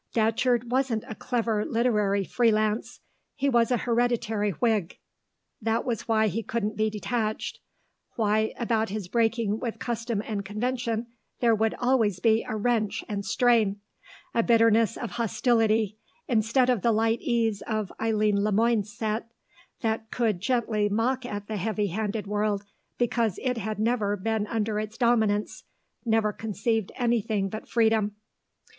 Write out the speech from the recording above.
Datcherd wasn't a clever literary free lance; he was a hereditary Whig; that was why he couldn't be detached, why, about his breaking with custom and convention, there would always be a wrench and strain, a bitterness of hostility, instead of the light ease of Eileen Le Moine's set, that could gently mock at the heavy handed world because it had never been under its dominance, never conceived anything but freedom.